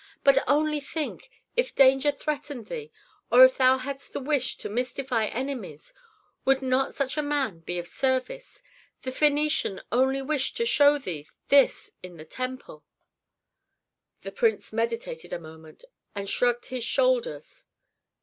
But only think if danger threatened thee, or if thou hadst the wish to mystify enemies, would not such a man be of service? The Phœnician only wished to show thee this in the temple." The prince meditated a moment, and shrugged his shoulders.